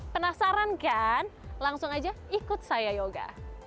penasaran kan langsung aja ikut saya yoga